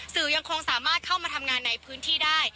สื่อยังคงสามารถเข้ามาทำงานในพื้นที่ได้